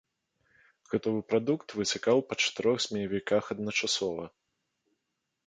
Гатовы прадукт выцякаў па чатырох змеявіках адначасова.